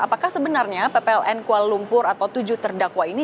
apakah sebenarnya ppln kuala lumpur atau tujuh terdakwa ini